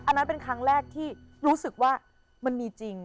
อันนั้นเป็นครั้งแรกที่รู้สึกว่ามันมีจริง